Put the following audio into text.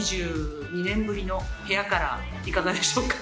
２２年ぶりのヘアカラー、いかがでしょうか。